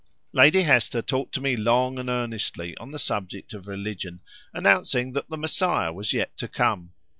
Lady Hester talked to me long and earnestly on the subject of religion, announcing that the Messiah was yet to come.